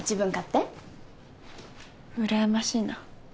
うらやましいな。